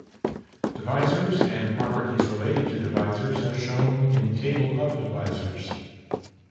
Divisors and properties related to divisors are shown in table of divisors.